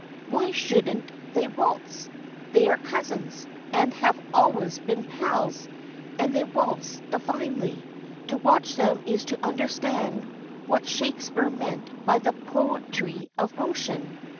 "Why shouldn't they waltz? They are cousins, and have always been pals, and they waltz divinely. To watch them is to understand what Shakespeare meant by the poetry of motion.